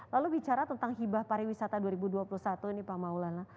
lalu bicara tentang hibah pariwisata dua ribu dua puluh satu ini pak maulana